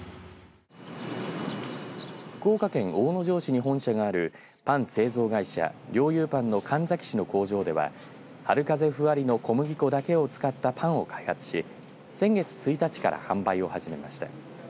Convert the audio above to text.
福岡県大野城市に本社があるパン製造会社リョーユーパンの神埼市の工場でははる風ふわりの小麦粉だけを使ったパンを開発し先月１日から販売を始めました。